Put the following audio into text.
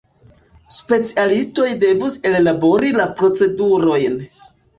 Specialistoj devus ellabori la procedurojn.